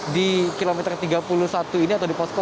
di kilometer tiga puluh satu ini atau di posko